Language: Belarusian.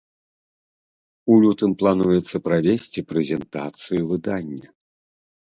У лютым плануецца правесці прэзентацыю выдання.